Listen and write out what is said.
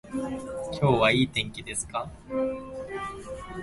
今日はいい天気ですか